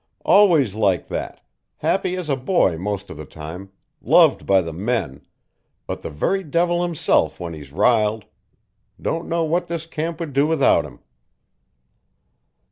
"Always like that happy as a boy most of the time, loved by the men, but the very devil himself when he's riled. Don't know what this camp would do without him."